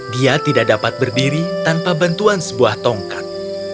dia tidak dapat berdiri tanpa bantuan sebuah tongkat